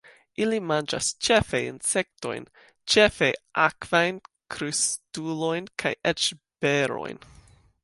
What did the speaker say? Ili manĝas ĉefe insektojn, ĉefe akvajn, krustulojn kaj eĉ berojn.